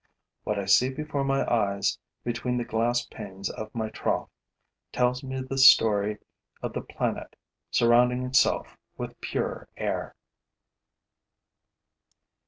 What I see before my eyes, between the glass panes of my trough, tells me the story of the planet surrounding itself with pure air.